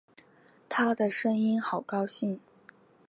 她的声音好高兴